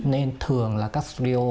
nên thường là các studio